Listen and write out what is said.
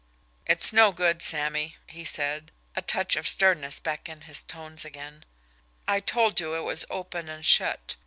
"It's no good, Sammy," he said, a touch of sternness back in his tones again. "I told you it was open and shut.